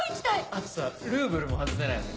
あとさルーヴルも外せないよね。